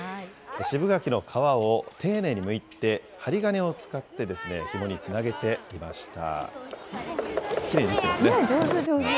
渋柿の皮を丁寧にむいて、針金を使ってひもにつなげていました。